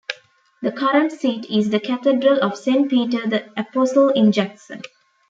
The current seat is the Cathedral of Saint Peter the Apostle in Jackson.